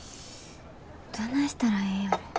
どないしたらええんやろ。